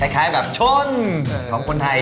คล้ายแบบชนของคนไทย